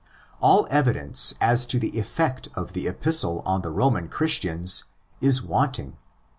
All evidence as to the effect of the Epistle on the Roman Christians is wanting.